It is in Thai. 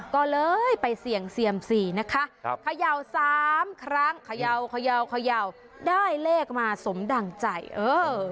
ก็เลยไปเสี่ยงเซียมสี่นะคะเขย่าสามครั้งเขย่าเขย่าได้เลขมาสมดั่งใจเออ